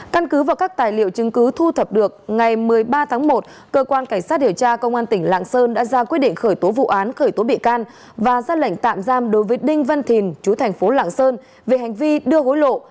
căn cứ và các tài liệu chứng cứ thu thập được ngày một mươi ba tháng một cơ quan cảnh sát điều tra công an tỉnh lạng sơn đã ra quyết định khởi tố vụ án khởi tố bị can và ra lệnh tạm giam đối với đinh văn thìn chú thành phố lạng sơn về hành vi đưa hối lộ